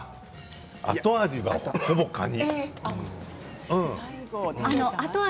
後味は、ほぼカニ。